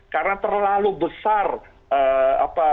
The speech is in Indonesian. karena terlalu besar risiko